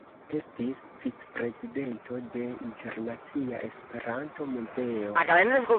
Estis vicprezidento de Internacia Esperanto-Muzeo.